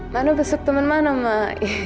mano besok temen mano mak